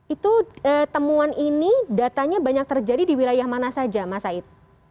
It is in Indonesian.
itu temuan ini datanya banyak terjadi di wilayah mana saja mas said